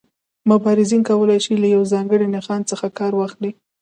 مبارزین کولای شي له یو ځانګړي نښان څخه کار واخلي.